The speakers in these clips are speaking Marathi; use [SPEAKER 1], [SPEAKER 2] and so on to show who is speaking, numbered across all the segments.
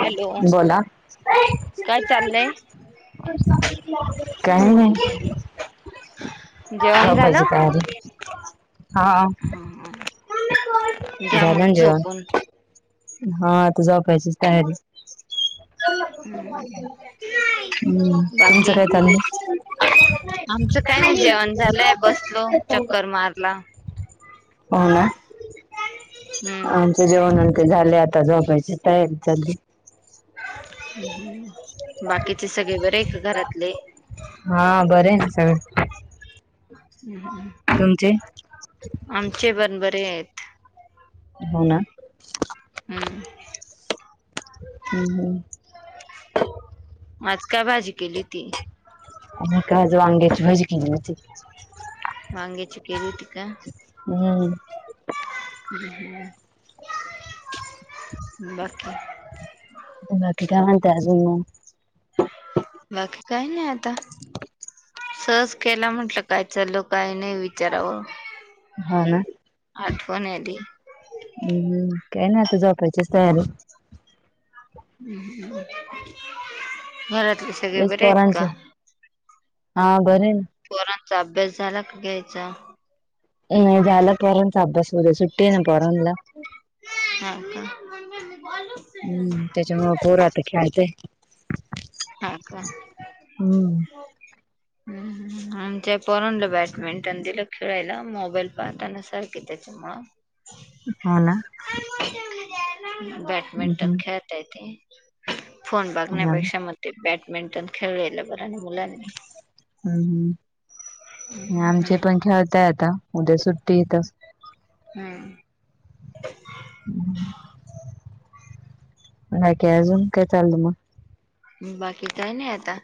[SPEAKER 1] हॅलो
[SPEAKER 2] बोला
[SPEAKER 1] काय चाललंय
[SPEAKER 2] काही नाही
[SPEAKER 1] जेवण
[SPEAKER 2] हपयज
[SPEAKER 1] झालं
[SPEAKER 2] तयार हा
[SPEAKER 1] ह घ्या
[SPEAKER 2] झालं
[SPEAKER 1] मग
[SPEAKER 2] ना जेवण
[SPEAKER 1] झोपून
[SPEAKER 2] हा आता झोपायची तयारी हम्म
[SPEAKER 1] बाकी
[SPEAKER 2] तुमचं काय चाललंय?
[SPEAKER 1] आमचं काय नाही जेवण झालंय बसलो चक्कर मारला
[SPEAKER 2] हो ना अ
[SPEAKER 1] हम्म
[SPEAKER 2] जेवण ते झाले आता झोपायची तयारी चाली
[SPEAKER 1] बाकीचे सगळे बरे का घरातले
[SPEAKER 2] हा बरे ना सगळं
[SPEAKER 1] हम् हम.
[SPEAKER 2] तुमचे?
[SPEAKER 1] आमचे पण बरे आहेत.
[SPEAKER 2] हो ना?
[SPEAKER 1] हम्.
[SPEAKER 2] हम् हम.
[SPEAKER 1] आज काय भाजी केली होती?
[SPEAKER 2] मि का आज वांग्याची भाजी केली होती.
[SPEAKER 1] वांग्याची केली होती का?
[SPEAKER 2] हम्म.
[SPEAKER 1] बाकी?
[SPEAKER 2] बाकी काय म्हणताय आजुन मग?
[SPEAKER 1] बाकी काही नाही आता सहज केला म्हटलं काय चाललं काय नाही विचारावं?
[SPEAKER 2] हा ना
[SPEAKER 1] आठवण आली
[SPEAKER 2] हम हम काही नाही आता झोपायची तयारी
[SPEAKER 1] हम्. घरातले सगळे
[SPEAKER 2] लईच
[SPEAKER 1] बरे आहेत
[SPEAKER 2] पोरांचं
[SPEAKER 1] का?
[SPEAKER 2] हा बरे ना
[SPEAKER 1] पोरांचा अभ्यास झाला का घ्यायचा?
[SPEAKER 2] नाही झाला पोरांचा अभ्यास, उद्या सुट्टी आहे न पोरांना
[SPEAKER 1] हाका.
[SPEAKER 2] हम्म त्याच्यामुळ पोर आता खेळताय
[SPEAKER 1] हा का?
[SPEAKER 2] हम्म
[SPEAKER 1] ह् आमच्या पोरांना बॅडमिंटन दिल खेळायला मोबाईल पाहताना सारखे त्या ते्ह [unintelligible]
[SPEAKER 2] हो ना?
[SPEAKER 1] बॅडमिंटन
[SPEAKER 2] हम्म
[SPEAKER 1] खेळताये ते फोन
[SPEAKER 2] हो ना
[SPEAKER 1] बगण्यापेक्षा मते बॅडमिंटन खेळलेल बरं णा मुलांनी.
[SPEAKER 2] हम्म हम्म आमचे पण खेळताय आता उद्या सुट्टी येत.
[SPEAKER 1] हम्म.
[SPEAKER 2] नाही काही अजून, काय चालल मग?
[SPEAKER 1] बाकी काय नाही आता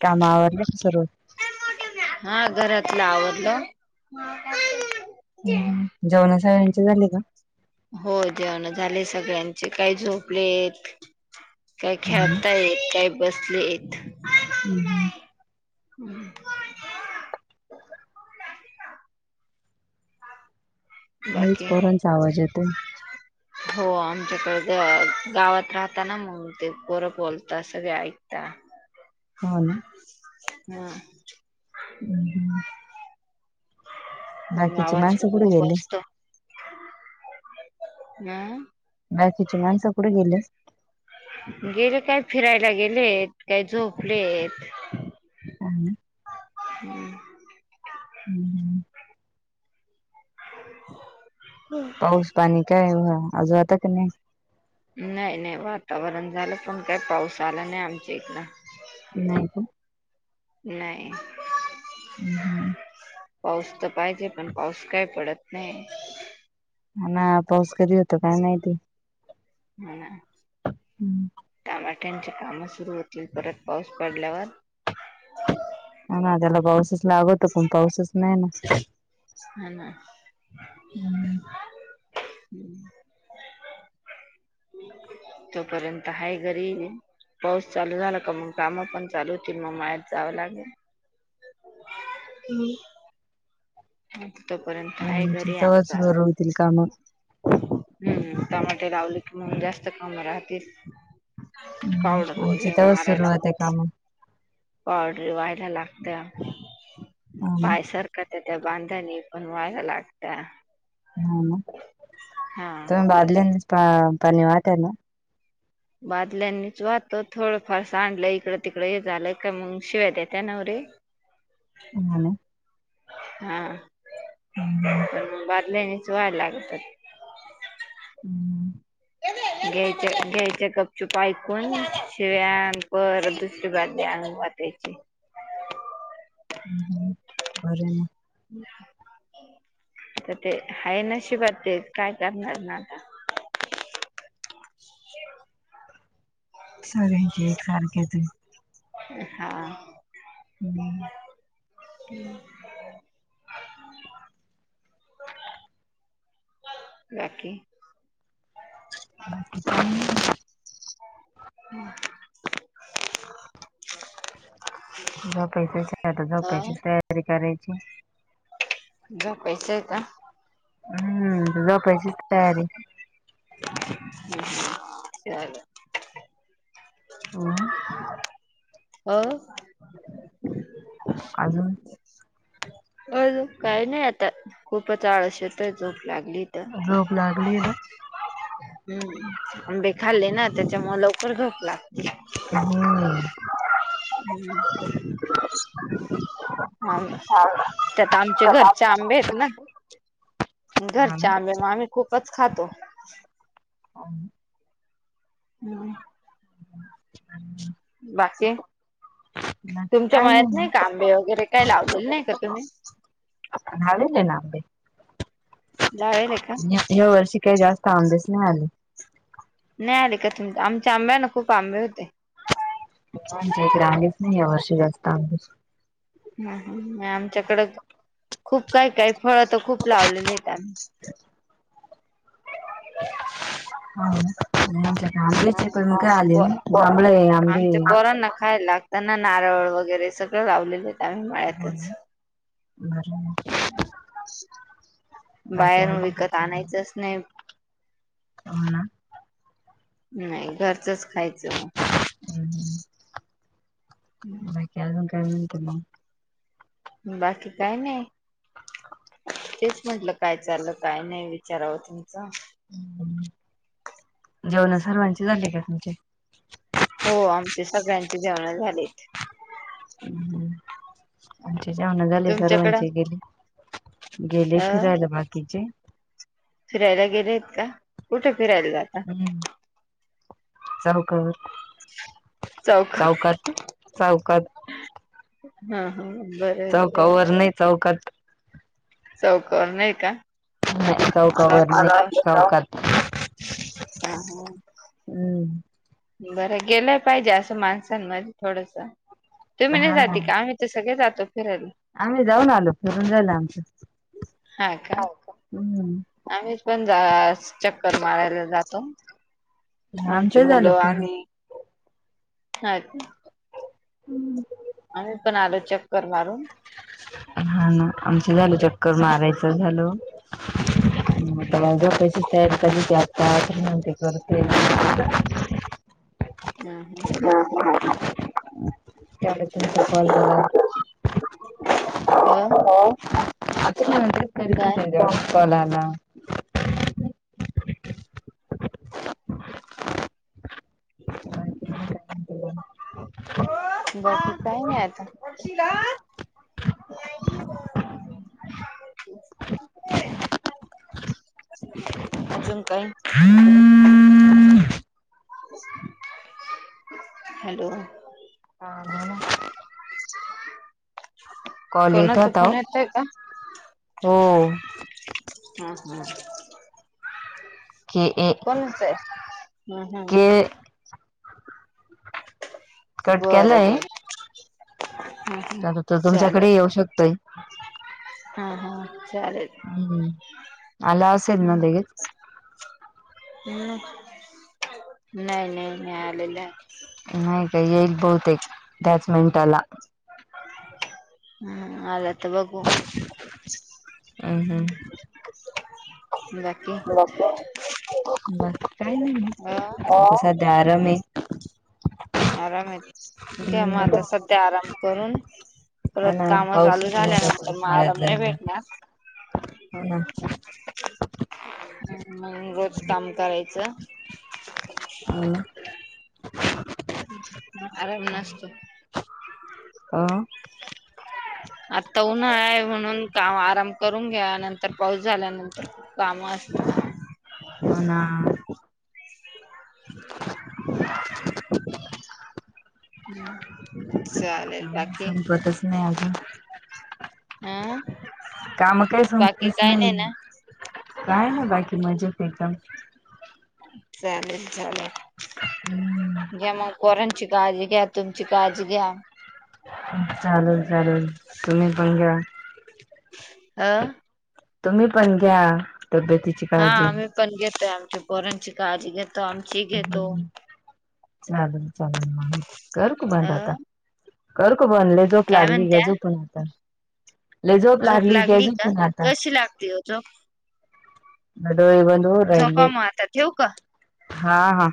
[SPEAKER 2] काम आवरले का सर्व?
[SPEAKER 1] हा घरातलं आवरल.
[SPEAKER 2] जेवणा सगळ्यांचे झाले का?
[SPEAKER 1] हो जेवण झाले सगळ्यांचे काय झोपलेत काय खेळता येत काय बसले आहेत
[SPEAKER 2] हम् हम.
[SPEAKER 1] हम्.
[SPEAKER 2] लईच
[SPEAKER 1] बाकी
[SPEAKER 2] पोरांचा आवाज येतोय
[SPEAKER 1] हो आमच्याकडे गावात राहताना मग ते बोरं बोलता सगळे ऐकता
[SPEAKER 2] हो ना?
[SPEAKER 1] हा.
[SPEAKER 2] हम् हम. बाकीचे
[SPEAKER 1] आवाज खूप
[SPEAKER 2] माणसं कुठे
[SPEAKER 1] खूप
[SPEAKER 2] गेले?
[SPEAKER 1] असती हम.
[SPEAKER 2] बाकीची माणसं कुठे गेली?
[SPEAKER 1] गेले काय फिरायला गेलेत काय झोपलेत
[SPEAKER 2] काय
[SPEAKER 1] हम्म.
[SPEAKER 2] हम् हम.
[SPEAKER 1] हम.
[SPEAKER 2] पाऊस पाणी काय व आज होता का नाही?
[SPEAKER 1] नाही नाही वातावरण झालं पण काही पाऊस आला नाही आमच्या इकड
[SPEAKER 2] त [unintelligible]
[SPEAKER 1] नाही
[SPEAKER 2] हम् हम
[SPEAKER 1] पाऊस तर पाहिजे पण पाऊस काय पडत नाही
[SPEAKER 2] हा ना पाऊस कधी ये
[SPEAKER 1] होना टमाट्यांचे काम सुरु होतील परत पाऊस पडल्यावर
[SPEAKER 2] हा ना त्याला पाऊसच लागतो पण पाऊसच नाही ना
[SPEAKER 1] हा ना हम् तोपर्यंत हाय घरी पाऊस चालू झाला का मग काम पण चालू होतील मग मळ्यात जावं लागल.
[SPEAKER 2] ह
[SPEAKER 1] तोपर्यंत आहे
[SPEAKER 2] आमची
[SPEAKER 1] घरी
[SPEAKER 2] तेव्हाच
[SPEAKER 1] आमचा
[SPEAKER 2] सुरू होतील काम
[SPEAKER 1] हम्म टमाटे लावले कि मंग जास्त कामं राहतील पावडर
[SPEAKER 2] आमची
[SPEAKER 1] वगैरे
[SPEAKER 2] तेव्हाच
[SPEAKER 1] मारायला
[SPEAKER 2] सुरुवात आहे
[SPEAKER 1] मग
[SPEAKER 2] काम
[SPEAKER 1] पावडरी व्हायला लागत
[SPEAKER 2] हा ना
[SPEAKER 1] पायसार [unintelligible] त्या बांधणी पण व्हाया लागता
[SPEAKER 2] हा ना तुम्ही बदल्यांनीच पाणी वाहत्याना
[SPEAKER 1] बादल्यांनीच वाहतो थोडंफार सांडलं इकडं तिकडं हे झालं का मग शिवाय देत्या नवरे
[SPEAKER 2] हा ना
[SPEAKER 1] हा पण म बादलायनीच वायला लागतं
[SPEAKER 2] हम
[SPEAKER 1] घ्यायच्या घ्यायच्या गपचूप ऐकून शिव्या न परत दुसरी बादली आणून व त्याची
[SPEAKER 2] ह् हम् बरं ना
[SPEAKER 1] तर ते आहे नशिबात ते काय करणार ना आता
[SPEAKER 2] सगळ्यांची एकसारखेेचे
[SPEAKER 1] हा
[SPEAKER 2] हम्म
[SPEAKER 1] ह् बाकी
[SPEAKER 2] बाकी काही नाही झोपायचचये आता झोपायची तयारी करायची
[SPEAKER 1] झोपायचंय का
[SPEAKER 2] हम्म झोपायचीच तयारी
[SPEAKER 1] ह् ले [unintelligible]
[SPEAKER 2] हम्म
[SPEAKER 1] अ
[SPEAKER 2] अजून
[SPEAKER 1] अजून काही नाही आता खूपच आळश येत झोप लागली तर
[SPEAKER 2] झोप लागली ना
[SPEAKER 1] हम्म आंबे खाल्ले ना त्याच्यामूळ लवकर झोप लागती
[SPEAKER 2] हम्
[SPEAKER 1] हा ना त्यात आमच्या घरचे आंबेत ना
[SPEAKER 2] हा ना
[SPEAKER 1] घरच्या आंबे मग आम्ही खूपच खातो हम्म
[SPEAKER 2] हम्
[SPEAKER 1] बाकी तुमच्या
[SPEAKER 2] काय
[SPEAKER 1] मळ्यात नाही
[SPEAKER 2] मग
[SPEAKER 1] आंबे वगैरे काही लावलेले नाही का तुम्ही
[SPEAKER 2] लावेलेना आंबे
[SPEAKER 1] लावेले का
[SPEAKER 2] ह्या वर्षी काही जास्त आंबेच नाही आले.
[SPEAKER 1] नाही आले का तुम आमच्या आंब्याना खूप आंबे होते.
[SPEAKER 2] आमच्या इकडे आलेच नाही यावर्षी जास्त आंबे.
[SPEAKER 1] हम्म हम्म. आमच्याकड खूप काही काही फळ तर खूप लावलेलेेत आम्ही.
[SPEAKER 2] [unintelligible] हा आंबलेचक काय आले नाही जांबळे आंबे
[SPEAKER 1] यांना खायला त्यांना नारळ वगैरे सगळं लावलेले त्या
[SPEAKER 2] हो
[SPEAKER 1] मळ्यातच
[SPEAKER 2] ना बरं बाकी
[SPEAKER 1] बाहेर
[SPEAKER 2] अजून काय
[SPEAKER 1] विकत
[SPEAKER 2] चाललंय
[SPEAKER 1] आणायचंच नाही.
[SPEAKER 2] हो ना.
[SPEAKER 1] नाही घरचंच खायचं ओ.
[SPEAKER 2] मग अजून काय म्हणत्यात मग
[SPEAKER 1] बाकी काय नाही. तेच म्हटलं काय चाल काय नाही विचारावं तुमचं.
[SPEAKER 2] जेवण सर्वांचे झाले का तुमचे?
[SPEAKER 1] हो आमचे सगळ्यांची जेवण झाली.
[SPEAKER 2] हम्म आमच्या जेवणा झाले
[SPEAKER 1] तुमच्याकडं
[SPEAKER 2] सर्वांचे गेले. गेले
[SPEAKER 1] अ
[SPEAKER 2] फिरायला बाकीचे?
[SPEAKER 1] फिरायला गेलेत का कुठे फिरायला जाता?
[SPEAKER 2] हम्म चऊकर
[SPEAKER 1] चौक
[SPEAKER 2] चौकात चौकात
[SPEAKER 1] हा हा बरोबर आहे.
[SPEAKER 2] चौकावर नाही चौकात
[SPEAKER 1] चौकरवर नाही का? मला वाटलं
[SPEAKER 2] चौकावरून
[SPEAKER 1] चौ
[SPEAKER 2] चौकात
[SPEAKER 1] हा हा
[SPEAKER 2] हम्म
[SPEAKER 1] बरं गेलं पाहिजे असं माणसांमध्ये थोडस तुम्ही नाही
[SPEAKER 2] हा
[SPEAKER 1] जाते
[SPEAKER 2] ना
[SPEAKER 1] का आम्ही ते सगळे जातो फिरायला.
[SPEAKER 2] आम्ही जाऊन आलो फिरून जाल आमचं हम्म.
[SPEAKER 1] आम्हीच पण जा चक्कर मारायला जातो. आमची
[SPEAKER 2] आमचं झालं
[SPEAKER 1] मुलं
[SPEAKER 2] फिरून.
[SPEAKER 1] आम्ही हा.
[SPEAKER 2] हम्म.
[SPEAKER 1] आम्ही पण आलो चक्कर मारून.
[SPEAKER 2] हा ना आमच झाल चक्कर मारायचं झालं. ज कैसेल कधी ते आता अस म्हण ते करते.
[SPEAKER 1] हम्म हम्म
[SPEAKER 2] हं हं. त्यामुळे तुमचा कॉल बघा [inaudible]
[SPEAKER 1] अ
[SPEAKER 2] आता नंतर
[SPEAKER 1] काय?
[SPEAKER 2] करती कॉलाला
[SPEAKER 1] [inaudible]
[SPEAKER 2] [inaudible]
[SPEAKER 1] बस काही नाही आता. [inaudible] अजून काय?
[SPEAKER 2] [inaudible]
[SPEAKER 1] [unintelligible] हॅलो.
[SPEAKER 2] हा मला कॉल येत
[SPEAKER 1] कोणाचा
[SPEAKER 2] होता
[SPEAKER 1] फोन
[SPEAKER 2] ओ.
[SPEAKER 1] येतय का
[SPEAKER 2] हो.
[SPEAKER 1] हा हा.
[SPEAKER 2] के ए.
[SPEAKER 1] कोणचं आहे हम् हम्
[SPEAKER 2] के कट
[SPEAKER 1] बरं बर
[SPEAKER 2] त्या तर तुमच्याकडे
[SPEAKER 1] चालेल
[SPEAKER 2] येऊ शकतोय.
[SPEAKER 1] हा हा चालेल.
[SPEAKER 2] हम्म आल असेत ना लगेच.
[SPEAKER 1] हम् नाही नाही नाही आलेला.
[SPEAKER 2] नाही काय एक बहुतेक एक त्याच मिनिटाला.
[SPEAKER 1] हम्म आला तर बघू.
[SPEAKER 2] हम हम्
[SPEAKER 1] बाकी
[SPEAKER 2] मग काय
[SPEAKER 1] अ
[SPEAKER 2] नाही ार मे
[SPEAKER 1] आराम येत घ्या मग
[SPEAKER 2] हम्म
[SPEAKER 1] आता सध्या आराम करून
[SPEAKER 2] हा
[SPEAKER 1] परत
[SPEAKER 2] ना
[SPEAKER 1] काम
[SPEAKER 2] पाऊस
[SPEAKER 1] चालू
[SPEAKER 2] सुरू झाला
[SPEAKER 1] झाल्यानंतर म
[SPEAKER 2] परत मळ्यात
[SPEAKER 1] आराम नाही
[SPEAKER 2] जायला.
[SPEAKER 1] भेटणार.
[SPEAKER 2] हो ना
[SPEAKER 1] म रोज काम करायचं
[SPEAKER 2] ह
[SPEAKER 1] आराम नसतो.
[SPEAKER 2] अं
[SPEAKER 1] [inaudible] आता उन्हाळा आहे म्हणून काम आराम करून घ्या नंतर पाऊस झाल्यानंतर काम असत.
[SPEAKER 2] होना
[SPEAKER 1] हम् सर
[SPEAKER 2] ह संपतच नाही अजून.
[SPEAKER 1] हं
[SPEAKER 2] काम काय संपतेच नाही काय ना बाकी मजेत एकदम.
[SPEAKER 1] चालेल चालेल.
[SPEAKER 2] हम्म
[SPEAKER 1] घ्या मग पोरांची काळजी घ्या तुमची काळजी घ्या.
[SPEAKER 2] चालेल चालेल तुम्ही पण घ्या.
[SPEAKER 1] अ
[SPEAKER 2] तुम्ही पण घ्या तब्यती
[SPEAKER 1] हा आम्ही पण घेतोय आमच्या पोरांची काळजी घेतो आमची घेतो.
[SPEAKER 2] चालल चाल म. करु बंद
[SPEAKER 1] अ
[SPEAKER 2] आता करू का बंद ली झोप
[SPEAKER 1] काय
[SPEAKER 2] लागली घ्या
[SPEAKER 1] म्हणत्या
[SPEAKER 2] झोपून आता. लई झोप लागली घ्या झोपून आता.
[SPEAKER 1] लागते हो. च
[SPEAKER 2] डोळे बंद होऊ राहिले.
[SPEAKER 1] झोपा मग आता ठेवू का
[SPEAKER 2] हा हा